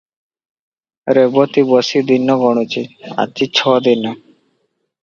ରେବତୀ ବସି ଦିନ ଗଣୁଛି, ଆଜି ଛ ଦିନ।